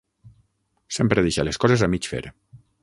Sempre deixa les coses a mig fer.